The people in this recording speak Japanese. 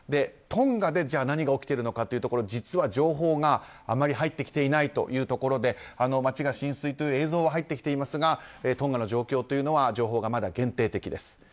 トンガで、じゃあ何が起きているのかというと実は情報があまり入ってきていないということで街が浸水という映像は入っていますがトンガの状況というのは情報がまだ限定的です。